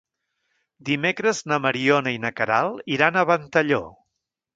Dimecres na Mariona i na Queralt iran a Ventalló.